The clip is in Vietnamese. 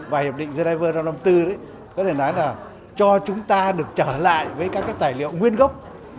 và hiệp định geneva năm trăm bốn mươi bốn đấy có thể nói là cho chúng ta được trở lại với các cái tài liệu nguyên gốc